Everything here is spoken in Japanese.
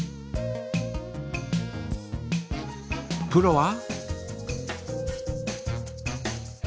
プロは？